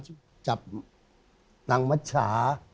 มีจับน้ำมัชชา